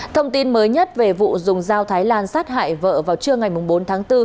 thông tin mới nhất về vụ dùng dao thái lan sát hại vợ vào trưa ngày bốn tháng bốn